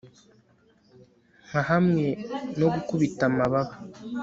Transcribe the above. Nka hamwe no gukubita amababa